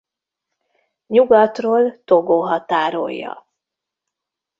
Nyugatról Togo határolja.